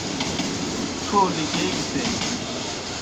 تھو لِکیگِسیئی۔